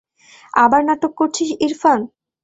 আবার নাটক করছিস, ইরফান।